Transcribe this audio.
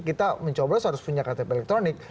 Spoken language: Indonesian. kita mencoblos harus punya ktp elektronik